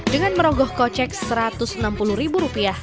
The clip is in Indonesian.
dengan merogoh kocek rp satu ratus enam puluh